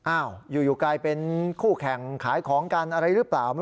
อยู่กลายเป็นคู่แข่งขายของกันอะไรหรือเปล่า